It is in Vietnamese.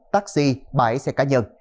taxi bãi xe cá nhân